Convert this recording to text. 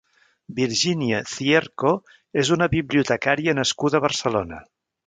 Virginia Cierco és una bibliotecària nascuda a Barcelona.